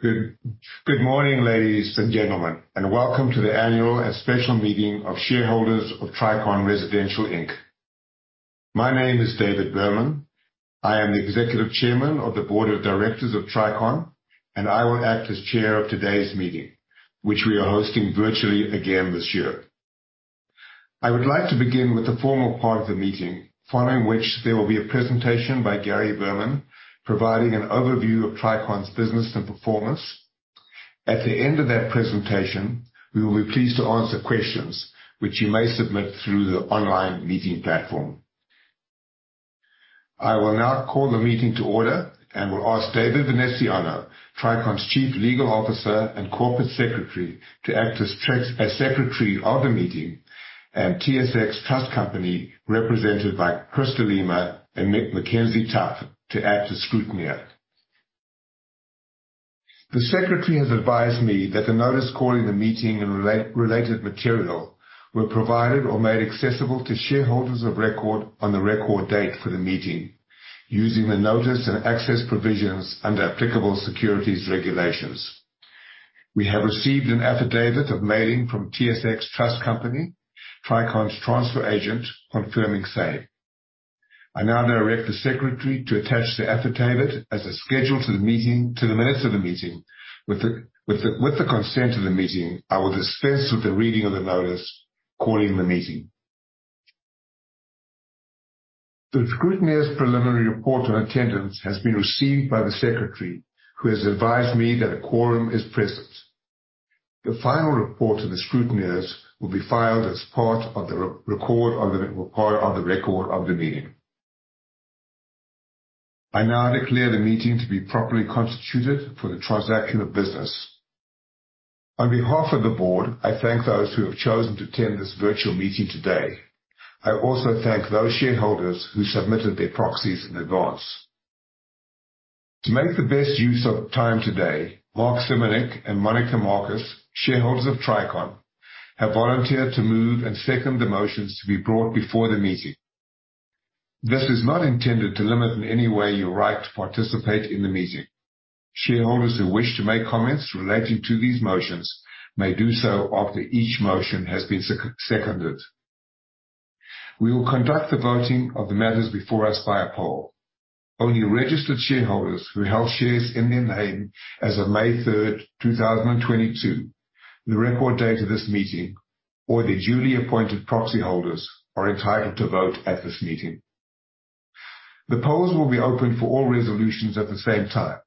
Good morning, ladies and gentlemen, and welcome to the annual and special meeting of shareholders of Tricon Residential Inc. My name is David Berman. I am the Executive Chairman of the Board of Directors of Tricon, and I will act as Chair of today's meeting, which we are hosting virtually again this year. I would like to begin with the formal part of the meeting, following which there will be a presentation by Gary Berman, providing an overview of Tricon's business and performance. At the end of that presentation, we will be pleased to answer questions which you may submit through the online meeting platform. I will now call the meeting to order and will ask David Veneziano, Tricon's Chief Legal Officer and Corporate Secretary, to act as Secretary of the meeting, and TSX Trust Company, represented by Chris de Lima and Mackenzie Tuff, to act as scrutineer. The Secretary has advised me that the notice calling the meeting and related material were provided or made accessible to shareholders of record on the record date for the meeting using the notice and access provisions under applicable securities regulations. We have received an affidavit of mailing from TSX Trust Company, Tricon's transfer agent, confirming same. I now direct the Secretary to attach the affidavit as a schedule to the meeting, to the minutes of the meeting. With the consent of the meeting, I will dispense with the reading of the notice calling the meeting. The scrutineer's preliminary report on attendance has been received by the Secretary, who has advised me that a quorum is present. The final report of the scrutineers will be filed as part of the record of the meeting. I now declare the meeting to be properly constituted for the transaction of business. On behalf of the board, I thank those who have chosen to attend this virtual meeting today. I also thank those shareholders who submitted their proxies in advance. To make the best use of time today, Marc Simonik and Monika Markus, shareholders of Tricon, have volunteered to move and second the motions to be brought before the meeting. This is not intended to limit in any way your right to participate in the meeting. Shareholders who wish to make comments relating to these motions may do so after each motion has been seconded. We will conduct the voting of the matters before us via poll. Only registered shareholders who held shares in their name as of May 3rd, 2022, the record date of this meeting, or their duly appointed proxy holders, are entitled to vote at this meeting. The polls will be open for all resolutions at the same time.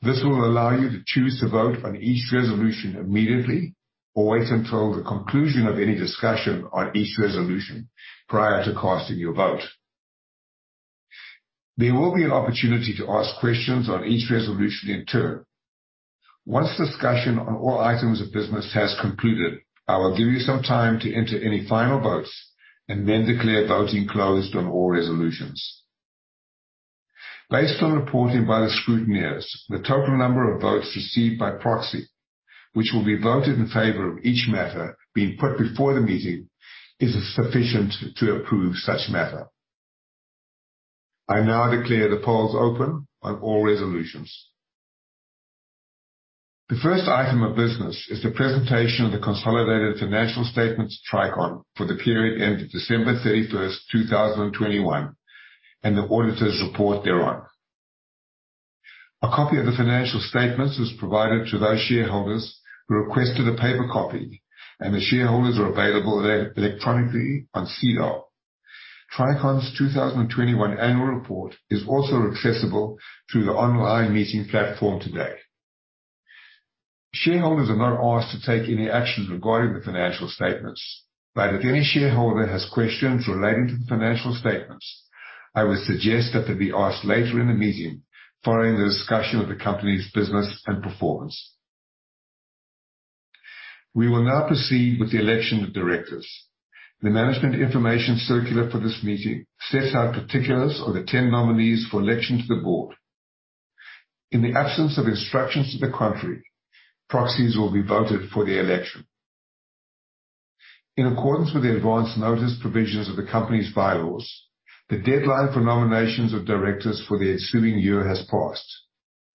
This will allow you to choose to vote on each resolution immediately or wait until the conclusion of any discussion on each resolution prior to casting your vote. There will be an opportunity to ask questions on each resolution in turn. Once discussion on all items of business has concluded, I will give you some time to enter any final votes and then declare voting closed on all resolutions. Based on reporting by the scrutineers, the total number of votes received by proxy, which will be voted in favor of each matter being put before the meeting, is sufficient to approve such matter. I now declare the polls open on all resolutions. The first item of business is the presentation of the consolidated financial statements of Tricon for the period ended December 31st, 2021, and the auditor's report thereon. A copy of the financial statements was provided to those shareholders who requested a paper copy, and the financial statements are available electronically on SEDAR. Tricon's 2021 annual report is also accessible through the online meeting platform today. Shareholders are not asked to take any actions regarding the financial statements, but if any shareholder has questions relating to the financial statements, I would suggest that they be asked later in the meeting following the discussion of the company's business and performance. We will now proceed with the election of directors. The management information circular for this meeting sets out particulars of the 10 nominees for election to the board. In the absence of instructions to the contrary, proxies will be voted for the election. In accordance with the advance notice provisions of the company's bylaws, the deadline for nominations of directors for the ensuing year has passed,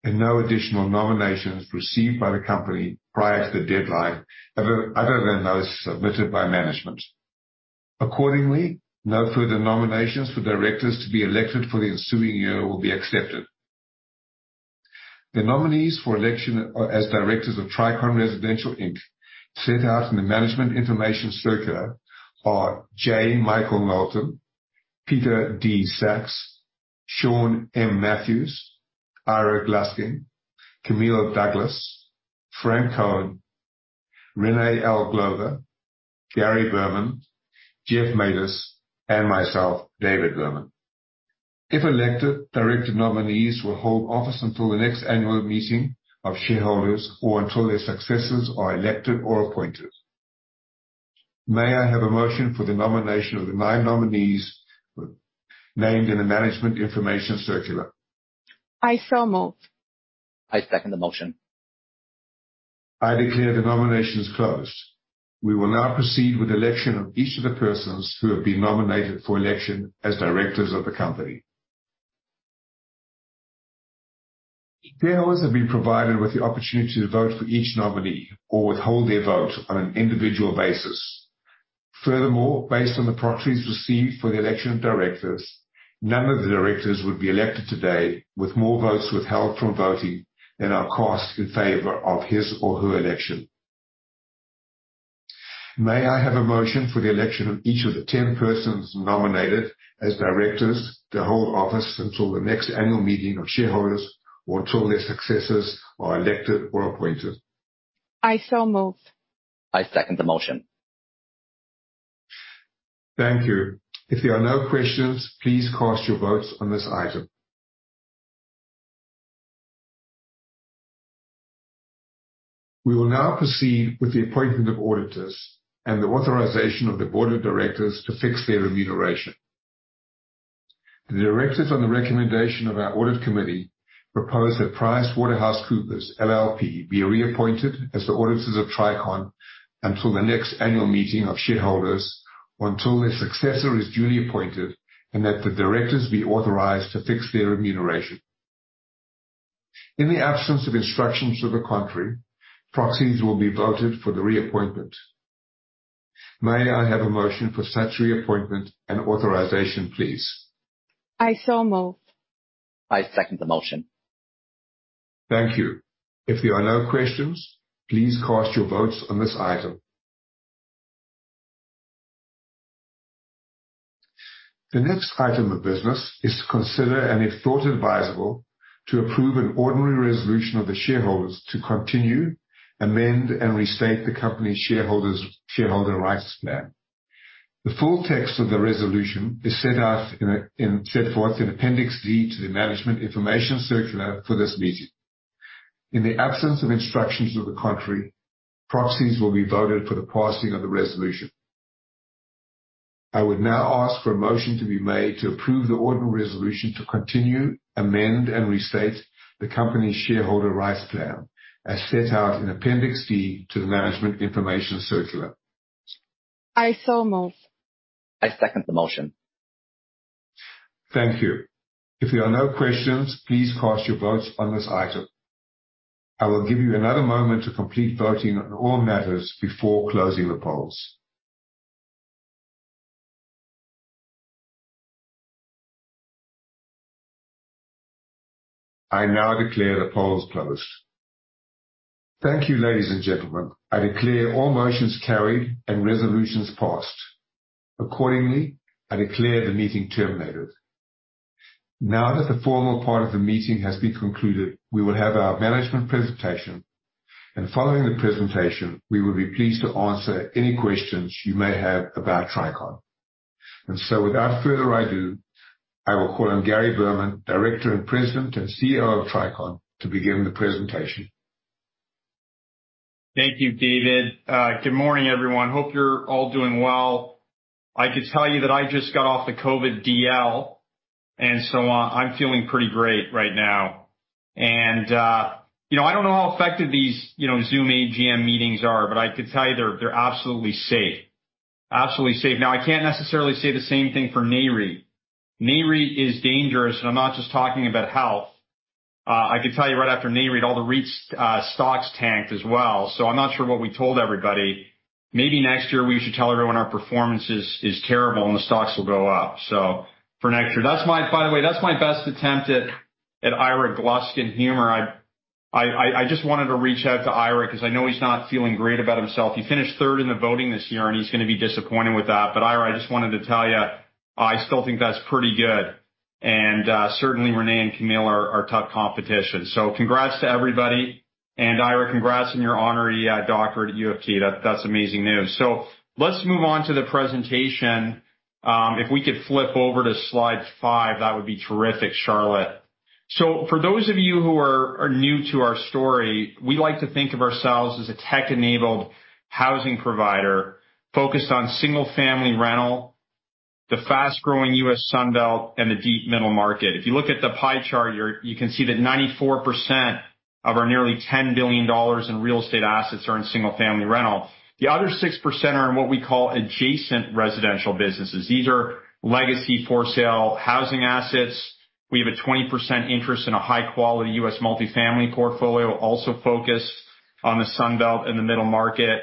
and no additional nominations received by the company prior to the deadline other than those submitted by management. Accordingly, no further nominations for directors to be elected for the ensuing year will be accepted. The nominees for election as directors of Tricon Residential Inc, set out in the management information circular are J. Michael Knowlton, Peter D. Sacks, Siân M. Matthews, Ira Gluskin, Camille Douglas, Frank Cohen, Renee L. Glover, Gary Berman, Geoff Matus, and myself, David Berman. If elected, director nominees will hold office until the next annual meeting of shareholders or until their successors are elected or appointed. May I have a motion for the nomination of the nine nominees named in the management information circular. I so move. I second the motion. I declare the nominations closed. We will now proceed with election of each of the persons who have been nominated for election as directors of the company. Shareholders have been provided with the opportunity to vote for each nominee or withhold their vote on an individual basis. Furthermore, based on the proxies received for the election of directors, none of the directors would be elected today with more votes withheld from voting than are cast in favor of his or her election. May I have a motion for the election of each of the 10 persons nominated as directors to hold office until the next annual meeting of shareholders or until their successors are elected or appointed. I so move. I second the motion. Thank you. If there are no questions, please cast your votes on this item. We will now proceed with the appointment of auditors and the authorization of the Board of Directors to fix their remuneration. The directors, on the recommendation of our audit committee, propose that PricewaterhouseCoopers LLP be reappointed as the auditors of Tricon until the next annual meeting of shareholders, or until their successor is duly appointed, and that the directors be authorized to fix their remuneration. In the absence of instructions to the contrary, proxies will be voted for the reappointment. May I have a motion for such reappointment and authorization, please. I so move. I second the motion. Thank you. If there are no questions, please cast your votes on this item. The next item of business is to consider, and if thought advisable, to approve an ordinary resolution of the shareholders to continue, amend and restate the company's shareholder rights plan. The full text of the resolution is set forth in Appendix D to the Management Information Circular for this meeting. In the absence of instructions to the contrary, proxies will be voted for the passing of the resolution. I would now ask for a motion to be made to approve the ordinary resolution to continue, amend and restate the company's shareholder rights plan as set out in Appendix D to the Management Information Circular. I so move. I second the motion. Thank you. If there are no questions, please cast your votes on this item. I will give you another moment to complete voting on all matters before closing the polls. I now declare the polls closed. Thank you, ladies and gentlemen. I declare all motions carried and resolutions passed. Accordingly, I declare the meeting terminated. Now that the formal part of the meeting has been concluded, we will have our management presentation, and following the presentation, we will be pleased to answer any questions you may have about Tricon. Without further ado, I will call on Gary Berman, Director and President and CEO of Tricon, to begin the presentation. Thank you, David. Good morning, everyone. Hope you're all doing well. I can tell you that I just got off the COVID DL, and so, I'm feeling pretty great right now. You know, I don't know how effective these, you know, Zoom AGM meetings are, but I could tell you they're absolutely safe. Absolutely safe. Now, I can't necessarily say the same thing for Nareit. Nareit is dangerous, and I'm not just talking about health. I can tell you right after Nareit, all the REIT stocks tanked as well. I'm not sure what we told everybody. Maybe next year we should tell everyone our performance is terrible, and the stocks will go up. For next year. By the way, that's my best attempt at Ira Gluskin humor. I just wanted to reach out to Ira because I know he's not feeling great about himself. He finished third in the voting this year, and he's gonna be disappointed with that. Ira, I just wanted to tell you, I still think that's pretty good. Certainly Renee and Camille are tough competition. Congrats to everybody. Ira, congrats on your honorary doctorate at U of T. That's amazing news. Let's move on to the presentation. If we could flip over to slide five, that would be terrific, Charlotte. For those of you who are new to our story, we like to think of ourselves as a tech-enabled housing provider focused on single-family rental, the fast-growing U.S. Sunbelt and the deep middle market. If you look at the pie chart, you can see that 94% of our nearly $10 billion in real estate assets are in single-family rental. The other 6% are in what we call adjacent residential businesses. These are legacy for-sale housing assets. We have a 20% interest in a high-quality U.S. multifamily portfolio, also focused on the Sunbelt and the middle-market.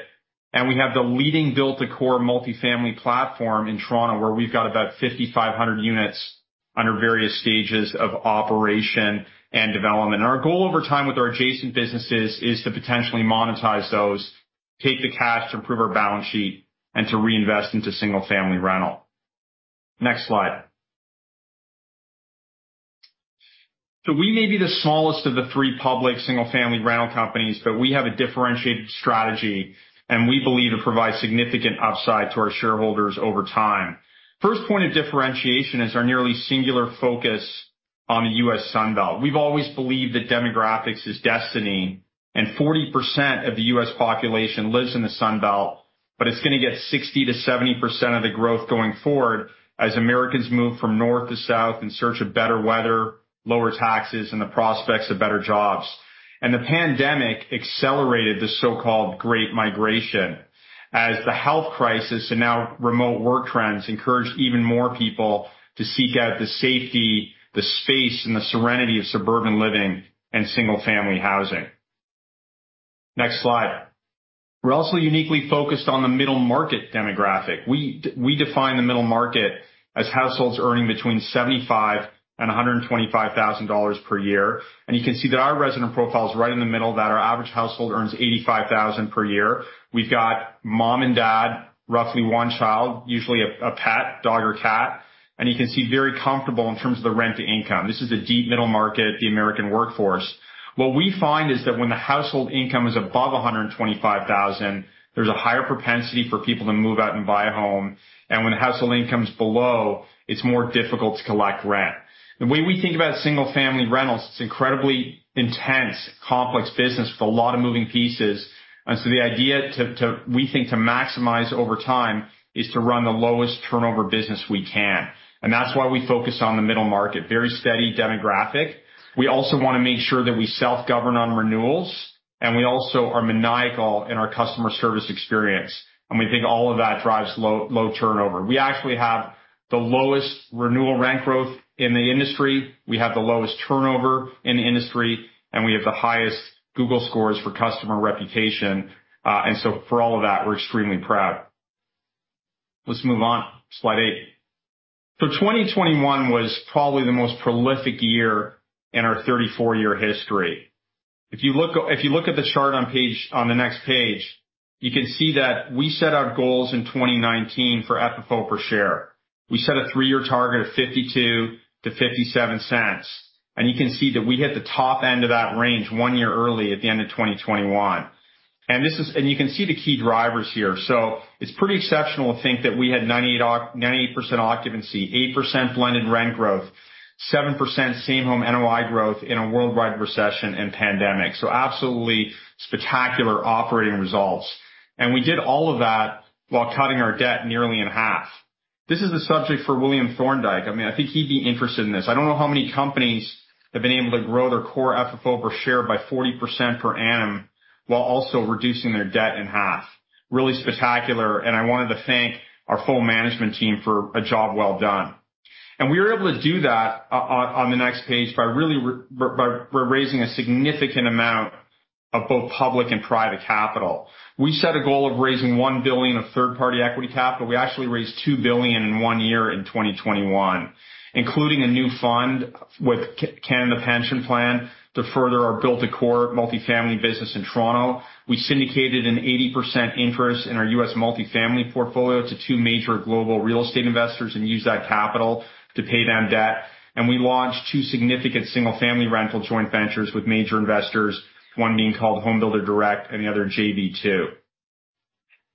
We have the leading build-to-core multifamily platform in Toronto, where we've got about 5,500 units under various stages of operation and development. Our goal over time with our adjacent businesses is to potentially monetize those, take the cash to improve our balance sheet and to reinvest into single-family rental. Next slide. We may be the smallest of the three public single-family rental companies, but we have a differentiated strategy, and we believe it provides significant upside to our shareholders over time. First point of differentiation is our nearly singular focus on the U.S. Sunbelt. We've always believed that demographics is destiny, and 40% of the U.S. population lives in the Sunbelt. It's gonna get 60%-70% of the growth going forward as Americans move from north to south in search of better weather, lower taxes, and the prospects of better jobs. The pandemic accelerated the so-called Great Migration as the health crisis, and now remote work trends encourage even more people to seek out the safety, the space, and the serenity of suburban living and single-family housing. Next slide. We're also uniquely focused on the middle market demographic. We define the middle market as households earning between $75,000 and $125,000 per year. You can see that our resident profile is right in the middle, that our average household earns $85,000 per year. We've got mom and dad, roughly one child, usually a pet, dog or cat. You can see very comfortable in terms of the rent income. This is a deep middle market, the American workforce. What we find is that when the household income is above $125,000, there's a higher propensity for people to move out and buy a home. When the household income is below, it's more difficult to collect rent. The way we think about single-family rentals, it's incredibly intense, complex business with a lot of moving pieces. The idea we think to maximize over time is to run the lowest turnover business we can. That's why we focus on the middle market, very steady demographic. We also wanna make sure that we self-govern on renewals, and we also are maniacal in our customer service experience. We think all of that drives low, low turnover. We actually have the lowest renewal rent growth in the industry. We have the lowest turnover in the industry, and we have the highest Google scores for customer reputation. For all of that, we're extremely proud. Let's move on. Slide eight. 2021 was probably the most prolific year in our 34-year history. If you look, if you look at the chart on page. On the next page, you can see that we set our goals in 2019 for FFO per share. We set a three-year target of $0.52-$0.57. You can see that we hit the top end of that range 1 year early at the end of 2021. You can see the key drivers here. It's pretty exceptional to think that we had 98% occupancy, 8% blended rent growth, 7% same home NOI growth in a worldwide recession and pandemic. Absolutely spectacular operating results. We did all of that while cutting our debt nearly in half. This is a subject for William Thorndike. I mean, I think he'd be interested in this. I don't know how many companies have been able to grow their core FFO per share by 40% per annum while also reducing their debt in half. Really spectacular, and I wanted to thank our full management team for a job well done. We were able to do that on the next page by really raising a significant amount of both public and private capital. We set a goal of raising $1 billion of third-party equity capital. We actually raised $2 billion in one year in 2021, including a new fund with Canada Pension Plan to further our build to core multifamily business in Toronto. We syndicated an 80% interest in our U.S. multifamily portfolio to two major global real estate investors and used that capital to pay down debt. We launched two significant single-family rental joint ventures with major investors, one being called Homebuilder Direct and the other JV-2.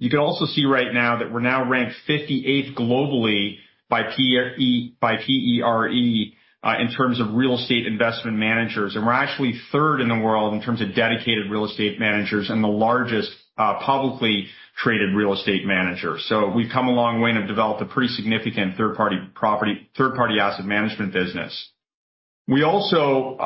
You can also see right now that we're now ranked 58th globally by PERE in terms of real estate investment managers. We're actually third in the world in terms of dedicated real estate managers and the largest publicly traded real estate manager. We've come a long way and have developed a pretty significant third-party asset management business. We also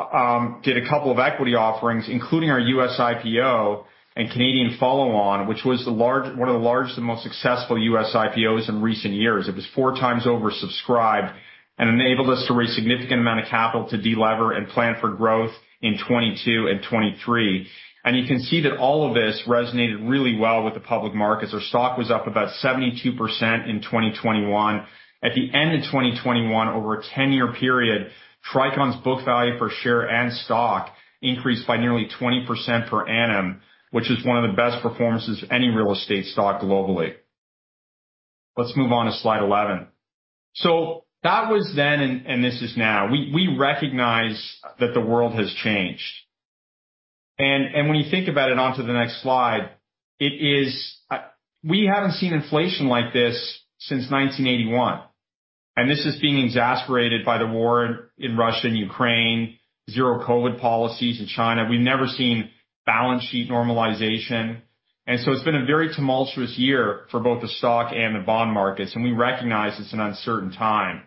did a couple of equity offerings, including our U.S. IPO and Canadian follow-on, which was one of the largest and most successful U.S. IPOs in recent years. It was four times oversubscribed and enabled us to raise significant amount of capital to delever and plan for growth in 2022 and 2023. You can see that all of this resonated really well with the public markets. Our stock was up about 72% in 2021. At the end of 2021, over a ten-year period, Tricon's book value per share and stock increased by nearly 20% per annum, which is one of the best performances of any real estate stock globally. Let's move on to slide 11. That was then, and this is now. We recognize that the world has changed. When you think about it, onto the next slide, we haven't seen inflation like this since 1981, and this is being exacerbated by the war in Russia and Ukraine, zero COVID policies in China. We've never seen balance sheet normalization. It's been a very tumultuous year for both the stock and the bond markets, and we recognize it's an uncertain time.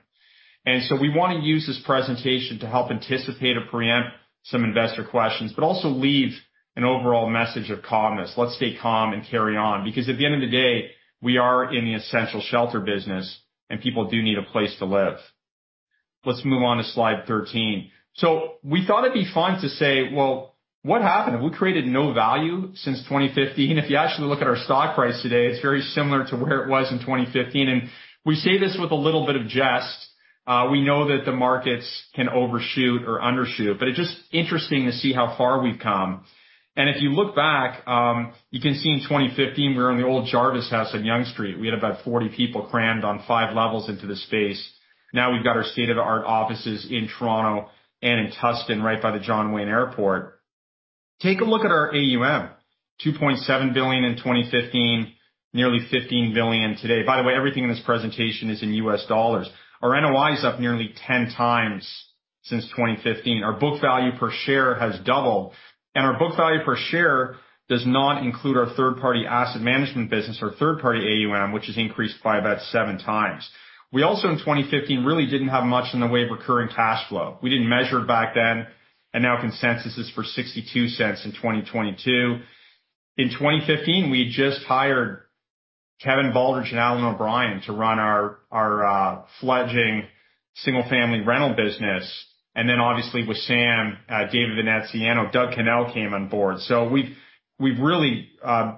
We wanna use this presentation to help anticipate or preempt some investor questions, but also leave an overall message of calmness. Let's stay calm and carry on because at the end of the day, we are in the essential shelter business and people do need a place to live. Let's move on to slide 13. We thought it'd be fun to say, well, what happened? Have we created no value since 2015? If you actually look at our stock price today, it's very similar to where it was in 2015. We say this with a little bit of jest. We know that the markets can overshoot or undershoot, but it's just interesting to see how far we've come. If you look back, you can see in 2015, we were in the old Jarvis House on Yonge Street. We had about 40 people crammed on five levels into the space. Now we've got our state-of-the-art offices in Toronto and in Tustin right by the John Wayne Airport. Take a look at our AUM, $2.7 billion in 2015, nearly $15 billion today. By the way, everything in this presentation is in U.S. dollars. Our NOI is up nearly 10x since 2015. Our book value per share has doubled, and our book value per share does not include our third-party asset management business, our third-party AUM, which has increased by about 7x. We also, in 2015, really didn't have much in the way of recurring cash flow. We didn't measure it back then, and now consensus is for $0.62 in 2022. In 2015, we just hired Kevin Baldridge and Alan O'Brien to run our fledgling single-family rental business. Obviously with Sam, David Veneziano, Doug, Camille came on board. We've really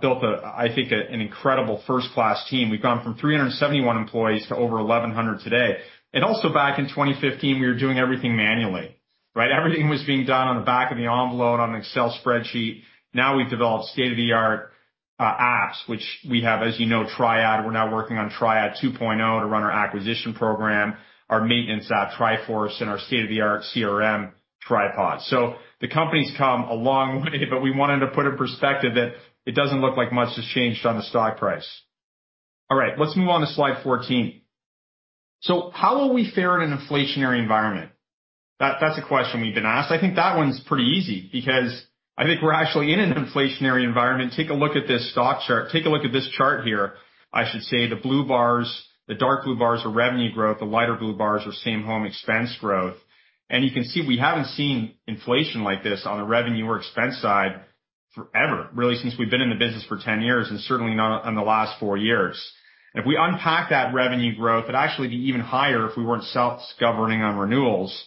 built a, I think, an incredible first-class team. We've gone from 371 employees to over 1,100 today. Also back in 2015, we were doing everything manually, right? Everything was being done on the back of the envelope on an Excel spreadsheet. Now we've developed state-of-the-art apps, which we have, as you know, TRI-AD. We're now working on TRI-AD 2.0 to run our acquisition program, our maintenance app, TriForce, and our state-of-the-art CRM, TriPod. The company's come a long way, but we wanted to put in perspective that it doesn't look like much has changed on the stock price. All right, let's move on to slide 14. How will we fare in an inflationary environment? That's a question we've been asked. I think that one's pretty easy because I think we're actually in an inflationary environment. Take a look at this stock chart. Take a look at this chart here. I should say the blue bars, the dark blue bars are revenue growth, the lighter blue bars are same home expense growth. You can see we haven't seen inflation like this on the revenue or expense side forever, really since we've been in the business for 10 years and certainly not in the last four years. If we unpack that revenue growth, it'd actually be even higher if we weren't self-governing on renewals.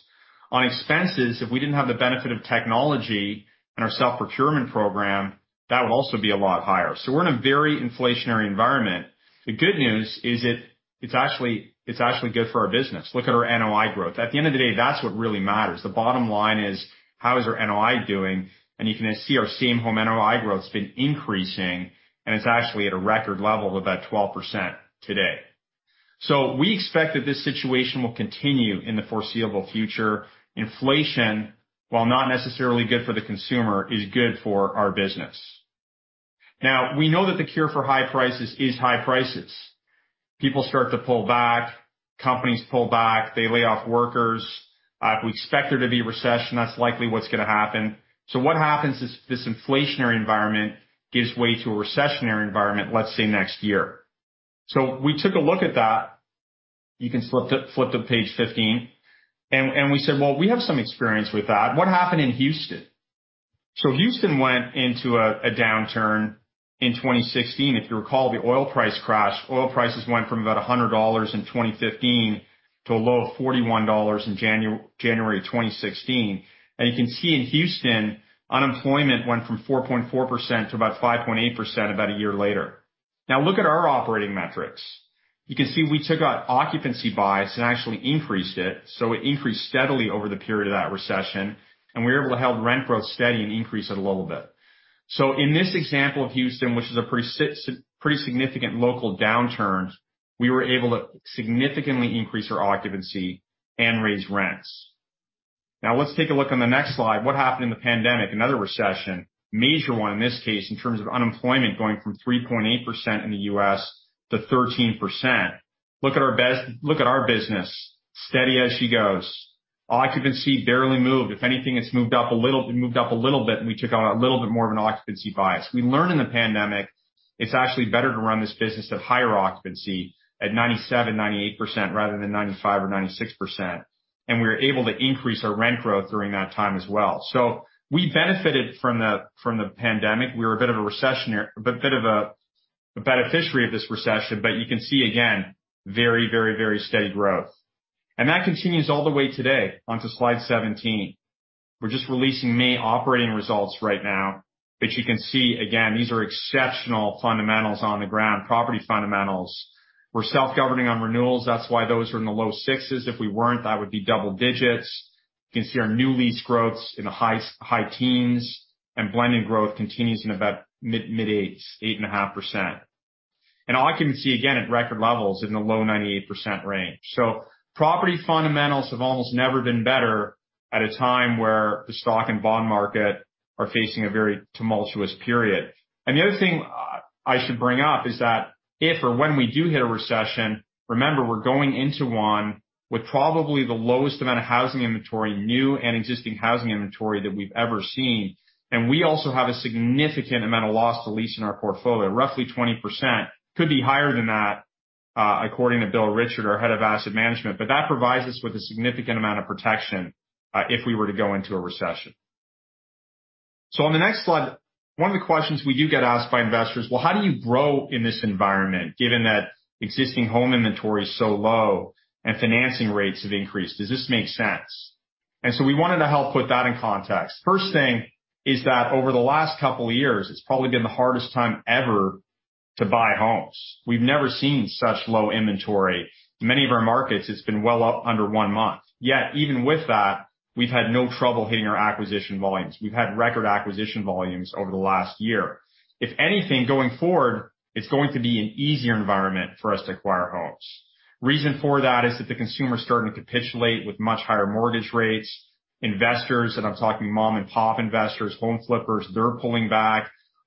On expenses, if we didn't have the benefit of technology and our self-procurement program, that would also be a lot higher. We're in a very inflationary environment. The good news is it's actually good for our business. Look at our NOI growth. At the end of the day, that's what really matters. The bottom line is how is our NOI doing? You can see our same home NOI growth's been increasing, and it's actually at a record level of about 12% today. We expect that this situation will continue in the foreseeable future. Inflation, while not necessarily good for the consumer, is good for our business. Now, we know that the cure for high prices is high prices. People start to pull back. Companies pull back. They lay off workers. If we expect there to be a recession, that's likely what's gonna happen. What happens is this inflationary environment gives way to a recessionary environment, let's say, next year. We took a look at that. You can flip to page 15. We said, well, we have some experience with that. What happened in Houston? Houston went into a downturn in 2016. If you recall, the oil price crashed. Oil prices went from about $100 in 2015 to a low of $41 in January 2016. You can see in Houston, unemployment went from 4.4% to about 5.8% about a year later. Now look at our operating metrics. You can see we took out occupancy bias and actually increased it, so it increased steadily over the period of that recession, and we were able to help rent growth steady and increase it a little bit. In this example of Houston, which is a pre-sig, pretty significant local downturn, we were able to significantly increase our occupancy and raise rents. Now let's take a look on the next slide, what happened in the pandemic, another recession. Major one in this case in terms of unemployment going from 3.8% in the U.S. to 13%. Look at our business. Steady as she goes. Occupancy barely moved. If anything, it's moved up a little bit, and we took on a little bit more of an occupancy bias. We learned in the pandemic, it's actually better to run this business at higher occupancy at 97%, 98% rather than 95% or 96%. We were able to increase our rent growth during that time as well. We benefited from the pandemic. We were a bit of a beneficiary of this recession, but you can see again, very, very, very steady growth. That continues all the way today onto slide 17. We're just releasing May operating results right now, but you can see again, these are exceptional fundamentals on the ground, property fundamentals. We're self-governing on renewals, that's why those are in the low sixes. If we weren't, that would be double digits. You can see our new lease growth's in the high teens, and blended growth continues in about mid eights, 8.5%. Occupancy again at record levels in the low 98% range. Property fundamentals have almost never been better at a time where the stock and bond market are facing a very tumultuous period. The other thing I should bring up is that if or when we do hit a recession, remember, we're going into one with probably the lowest amount of housing inventory, new and existing housing inventory that we've ever seen. We also have a significant amount of loss to lease in our portfolio. Roughly 20%. Could be higher than that, according to Bill Richard, our head of asset management. That provides us with a significant amount of protection, if we were to go into a recession. On the next slide, one of the questions we do get asked by investors, "Well, how do you grow in this environment given that existing home inventory is so low and financing rates have increased? Does this make sense?" We wanted to help put that in context. First thing is that over the last couple years, it's probably been the hardest time ever to buy homes. We've never seen such low inventory. Many of our markets, it's been well under one month. Yet even with that, we've had no trouble hitting our acquisition volumes. We've had record acquisition volumes over the last year. If anything, going forward, it's going to be an easier environment for us to acquire homes. Reason for that is that the consumer is starting to capitulate with much higher mortgage rates. Investors, and I'm talking mom-and-pop investors, home flippers, they're pulling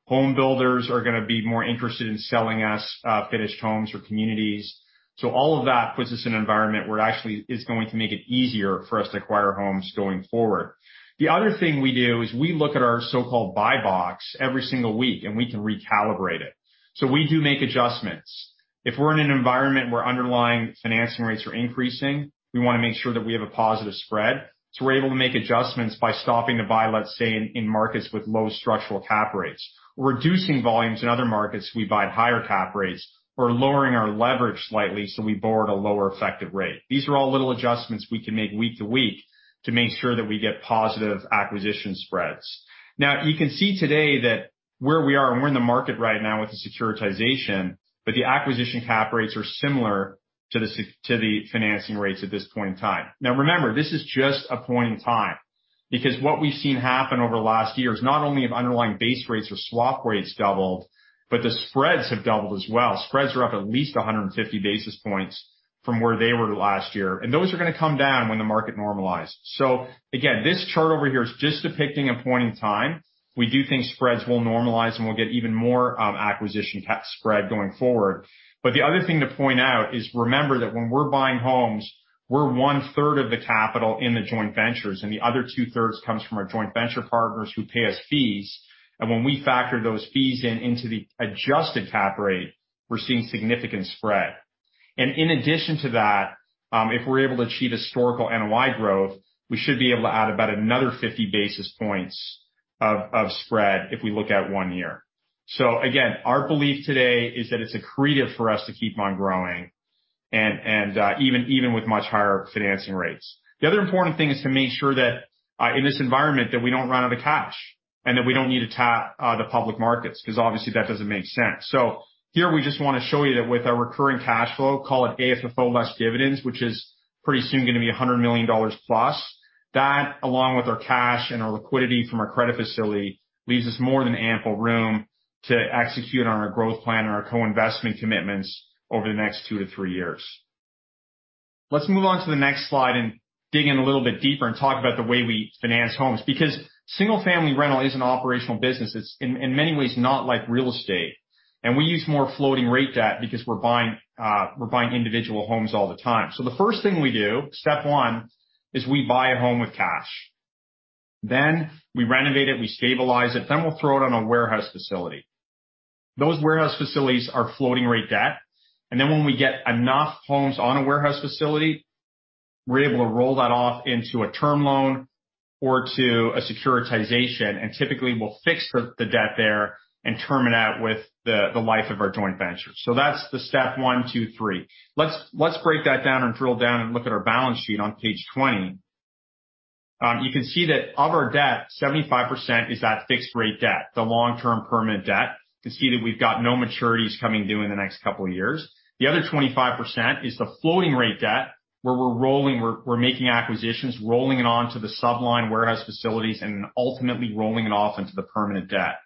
back. Home builders are gonna be more interested in selling us finished homes or communities. All of that puts us in an environment where actually it's going to make it easier for us to acquire homes going forward. The other thing we do is we look at our so-called buy box every single week, and we can recalibrate it. We do make adjustments. If we're in an environment where underlying financing rates are increasing, we wanna make sure that we have a positive spread, so we're able to make adjustments by stopping the buy, let's say, in markets with low structural cap rates. Reducing volumes in other markets, we buy at higher cap rates. We're lowering our leverage slightly, so we borrow at a lower effective rate. These are all little adjustments we can make week to week to make sure that we get positive acquisition spreads. Now you can see today that where we are, and we're in the market right now with the securitization, but the acquisition cap rates are similar to the financing rates at this point in time. Now remember, this is just a point in time, because what we've seen happen over the last year is not only have underlying base rates or swap rates doubled, but the spreads have doubled as well. Spreads are up at least 150 basis points from where they were last year, and those are gonna come down when the market normalized. Again, this chart over here is just depicting a point in time. We do think spreads will normalize, and we'll get even more acquisition cap spread going forward. The other thing to point out is remember that when we're buying homes, we're one-third of the capital in the joint ventures, and the other two-thirds comes from our joint venture partners who pay us fees. When we factor those fees in into the adjusted cap rate, we're seeing significant spread. In addition to that, if we're able to achieve historical NOI growth, we should be able to add about another 50 basis points of spread if we look at one year. Again, our belief today is that it's accretive for us to keep on growing and even with much higher financing rates. The other important thing is to make sure that, in this environment that we don't run out of cash, and that we don't need to tap, the public markets, 'cause obviously that doesn't make sense. Here we just wanna show you that with our recurring cash flow, call it AFFO less dividends, which is pretty soon gonna be $100+ million. That, along with our cash and our liquidity from our credit facility, leaves us more than ample room to execute on our growth plan and our co-investment commitments over the next 2-3 years. Let's move on to the next slide and dig in a little bit deeper and talk about the way we finance homes. Because single-family rental is an operational business, it's in many ways not like real estate, and we use more floating rate debt because we're buying individual homes all the time. The first thing we do, step one, is we buy a home with cash. We renovate it, we stabilize it, then we'll throw it on a warehouse facility. Those warehouse facilities are floating rate debt. When we get enough homes on a warehouse facility, we're able to roll that off into a term loan or to a securitization, and typically, we'll fix the debt there and term it out with the life of our joint venture. That's the step one, two, three. Let's break that down and drill down and look at our balance sheet on page 20. You can see that of our debt, 75% is that fixed rate debt, the long-term permanent debt. You can see that we've got no maturities coming due in the next couple of years. The other 25% is the floating rate debt, where we're rolling, we're making acquisitions, rolling it on to the sub-line warehouse facilities and ultimately rolling it off into the permanent debt.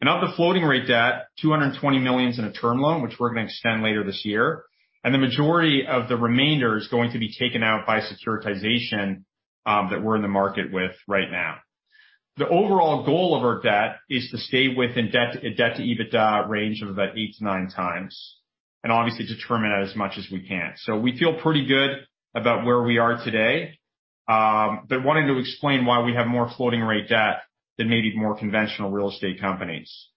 Of the floating rate debt, $220 million's in a term loan, which we're gonna extend later this year. The majority of the remainder is going to be taken out by securitization that we're in the market with right now. The overall goal of our debt is to stay within debt to EBITDA range of about 8x-9x, and obviously to term it out as much as we can. We feel pretty good about where we are today, but wanting to explain why we have more floating rate debt than maybe more conventional real estate companies.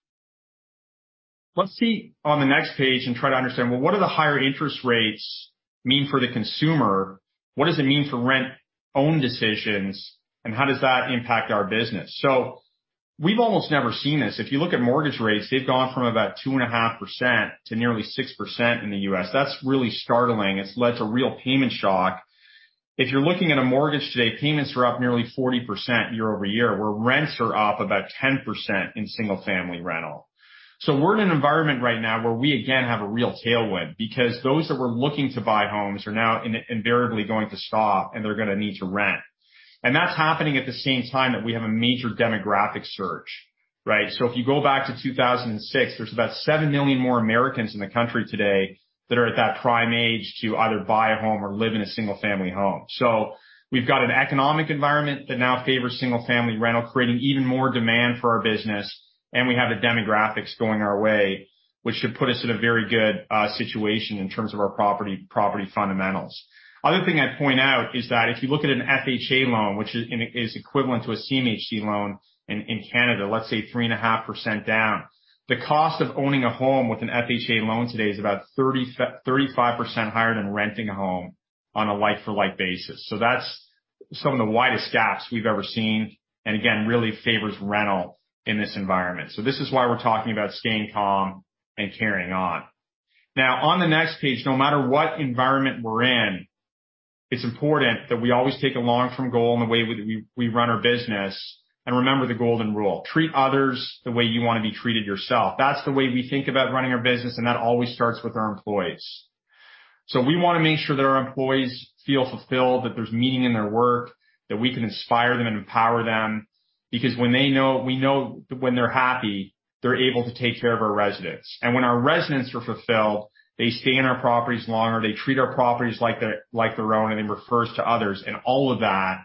Let's see on the next page and try to understand, well, what do the higher interest rates mean for the consumer? What does it mean for rent-or-own decisions, and how does that impact our business? We've almost never seen this. If you look at mortgage rates, they've gone from about 2.5% to nearly 6% in the U.S. That's really startling. It's led to real payment shock. If you're looking at a mortgage today, payments are up nearly 40% year-over-year, where rents are up about 10% in single-family rental. We're in an environment right now where we again have a real tailwind because those that were looking to buy homes are now invariably going to stop, and they're gonna need to rent. That's happening at the same time that we have a major demographic surge, right? If you go back to 2006, there's about 7 million more Americans in the country today that are at that prime age to either buy a home or live in a single-family home. We've got an economic environment that now favors single-family rental, creating even more demand for our business, and we have the demographics going our way, which should put us in a very good situation in terms of our property fundamentals. Other thing I'd point out is that if you look at an FHA loan, which is in, is equivalent to a CMHC loan in Canada, let's say 3.5% down. The cost of owning a home with an FHA loan today is about 35% higher than renting a home on a like-for-like basis. That's some of the widest gaps we've ever seen, and again, really favors rental in this environment. This is why we're talking about staying calm and carrying on. Now on the next page, no matter what environment we're in, it's important that we always take a long-term goal in the way we run our business. Remember the golden rule. Treat others the way you wanna be treated yourself. That's the way we think about running our business, and that always starts with our employees. We wanna make sure that our employees feel fulfilled, that there's meaning in their work, that we can inspire them and empower them. Because we know when they're happy, they're able to take care of our residents. When our residents are fulfilled, they stay in our properties longer, they treat our properties like their own, and then refers to others, and all of that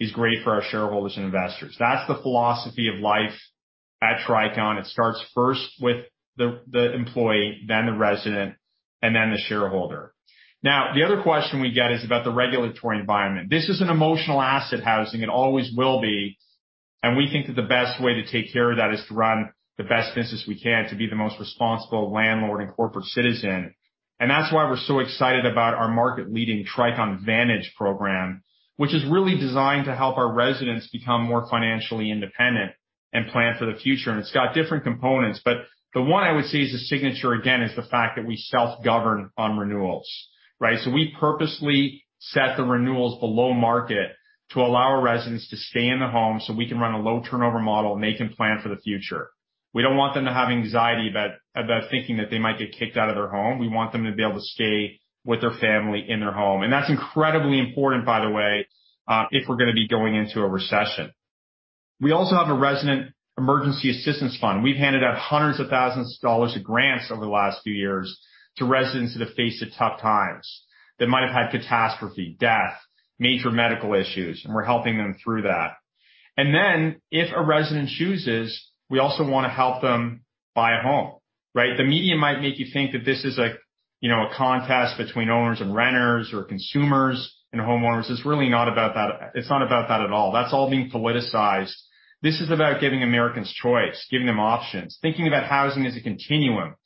is great for our shareholders and investors. That's the philosophy of life at Tricon. It starts first with the employee, then the resident, and then the shareholder. Now, the other question we get is about the regulatory environment. This is an emotional asset housing. It always will be. We think that the best way to take care of that is to run the best business we can to be the most responsible landlord and corporate citizen. That's why we're so excited about our market-leading Tricon Vantage program, which is really designed to help our residents become more financially independent and plan for the future. It's got different components, but the one I would say is the signature, again, is the fact that we self-govern on renewals, right? We purposely set the renewals below market to allow our residents to stay in the home so we can run a low turnover model and they can plan for the future. We don't want them to have anxiety about thinking that they might get kicked out of their home. We want them to be able to stay with their family in their home. That's incredibly important, by the way, if we're gonna be going into a recession. We also have a resident emergency assistance fund. We've handed out hundreds of thousands of dollars of grants over the last few years to residents that have faced tough times, that might have had catastrophe, death, major medical issues, and we're helping them through that. If a resident chooses, we also wanna help them buy a home, right? The media might make you think that this is like, you know, a contest between owners and renters or consumers and homeowners. It's really not about that. It's not about that at all. That's all being politicized. This is about giving Americans choice, giving them options, thinking about housing as a continuum.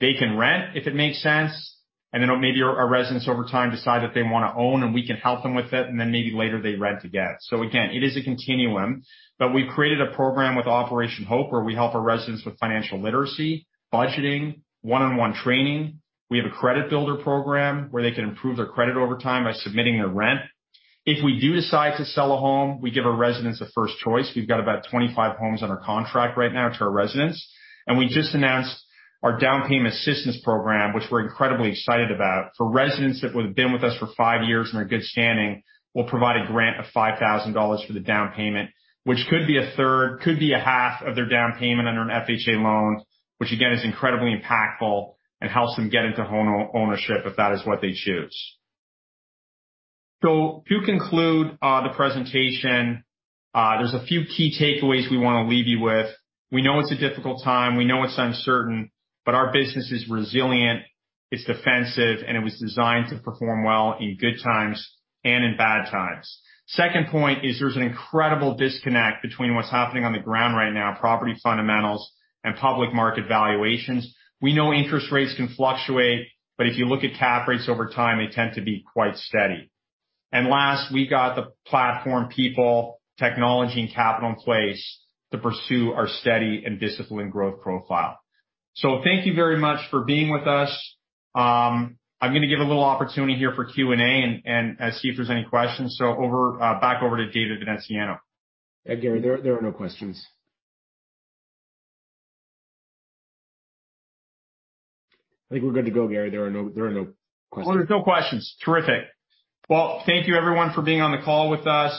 They can rent if it makes sense, and then maybe our residents over time decide that they wanna own, and we can help them with it, and then maybe later they rent again. Again, it is a continuum, but we've created a program with Operation HOPE, where we help our residents with financial literacy, budgeting, one-on-one training. We have a credit builder program where they can improve their credit over time by submitting their rent. If we do decide to sell a home, we give our residents a first choice. We've got about 25 homes under contract right now to our residents, and we just announced our down payment assistance program, which we're incredibly excited about. For residents that would have been with us for five years and are in good standing, we'll provide a grant of $5,000 for the down payment, which could be a third, could be a half of their down payment under an FHA loan, which again, is incredibly impactful and helps them get into home ownership if that is what they choose. To conclude the presentation, there's a few key takeaways we wanna leave you with. We know it's a difficult time, we know it's uncertain, but our business is resilient, it's defensive, and it was designed to perform well in good times and in bad times. Second point is there's an incredible disconnect between what's happening on the ground right now, property fundamentals and public market valuations. We know interest rates can fluctuate, but if you look at cap rates over time, they tend to be quite steady. Last, we got the platform, people, technology and capital in place to pursue our steady and disciplined growth profile. Thank you very much for being with us. I'm gonna give a little opportunity here for Q&A and see if there's any questions. Back over to David Veneziano. Gary, there are no questions. I think we're good to go, Gary. There are no questions. Oh, there's no questions. Terrific. Well, thank you everyone for being on the call with us.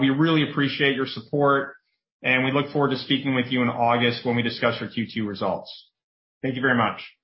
We really appreciate your support, and we look forward to speaking with you in August when we discuss our Q2 results. Thank you very much.